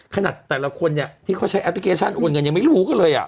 ขนาดแต่ละคนเนี่ยที่เขาใช้แอปพลิเคชันโอนเงินยังไม่รู้ก็เลยอ่ะ